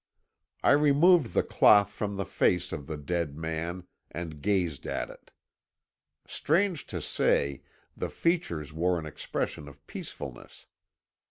"I removed the cloth from the face of the dead man and gazed at it. Strange to say, the features wore an expression of peacefulness.